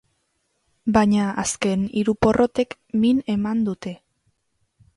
Baina azken hiru porrotek min eman dute.